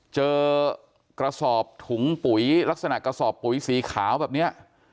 กระสอบถุงปุ๋ยลักษณะกระสอบปุ๋ยสีขาวแบบนี้